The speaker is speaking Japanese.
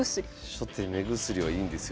初手目薬はいいんですよ